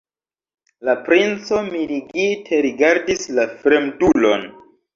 La princo mirigite rigardis la fremdulon.